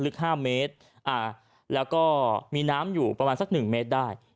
ลึก๕เมตรแล้วก็มีน้ำอยู่ประมาณสัก๑เมตรได้